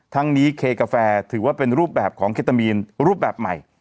ทั้งนี้เคกาแฟถือว่าเป็นรูปแบบของเคตามีนรูปแบบใหม่